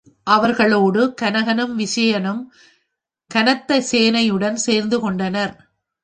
அவர்களோடு கனகனும் விசயனும் கனத்த சேனையுடன் சேர்ந்து கொண்டனர்.